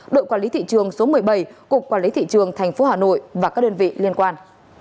đội quản lý thị trường số một mươi bảy cục quản lý thị trường tp hà nội và các đơn vị liên quan